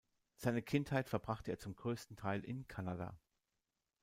Seine Kindheit verbrachte er zum größten Teil in Kanada.